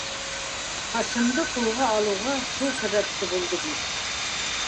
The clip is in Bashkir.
Хашимды ҡулға алыуға шул сәбәпсе булды бит.